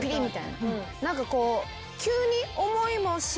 何かこう。